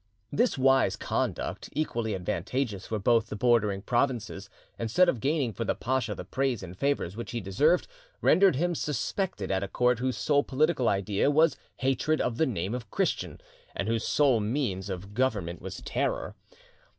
This wise conduct, equally advantageous for both the bordering provinces, instead of gaining for the pacha the praise and favours which he deserved, rendered him suspected at a court whose sole political idea was hatred of the name of Christian, and whose sole means of government was terror.